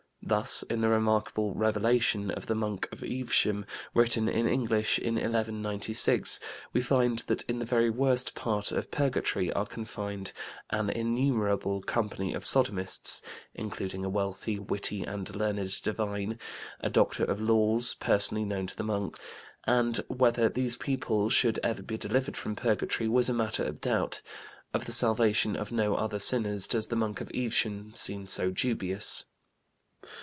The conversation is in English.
Thus in the remarkable Revelation of the Monk of Evesham, written in English in 1196, we find that in the very worst part of Purgatory are confined an innumerable company of sodomists (including a wealthy, witty, and learned divine, a doctor of laws, personally known to the Monk), and whether these people would ever be delivered from Purgatory was a matter of doubt; of the salvation of no other sinners does the Monk of Evesham seem so dubious.